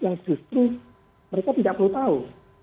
yang justru mereka tidak perlu tahu